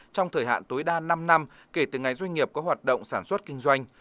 trong thời hạn tối đa năm năm kể từ ngày doanh nghiệp có hoạt động sản xuất kinh doanh